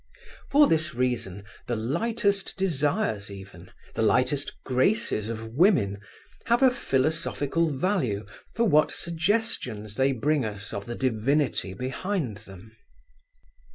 For this reason the lightest desires even, the lightest graces of women have a philosophical value for what suggestions they bring us of the divinity behind them.